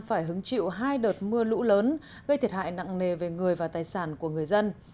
phải hứng chịu hai đợt mưa lũ lớn gây thiệt hại nặng nề về người và tài sản của người dân